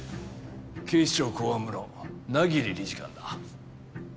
警視庁公安部の百鬼理事官だ。